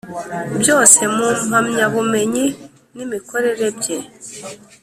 Byose mu mpamyabumenyi n imikorere bye